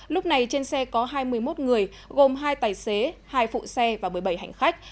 lúc này trên xe có hai mươi một người gồm hai tài xế hai phụ xe và một mươi bảy hành khách